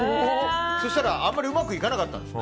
そうしたらあまりうまくいかなかったんです。